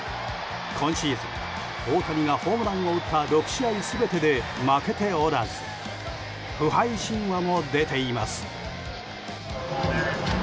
今シーズン、大谷がホームランを打った６試合全てで負けておらず不敗神話も出ています。